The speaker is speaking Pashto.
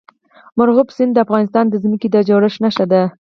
مورغاب سیند د افغانستان د ځمکې د جوړښت نښه ده.